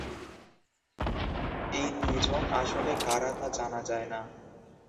এই দুজন আসলে কারা, তা জানা যায় না।